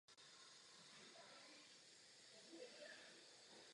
Při střetu nebyly použity žádné zbraně.